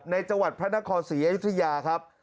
จังหวัดพระนครศรีอยุธยาครับ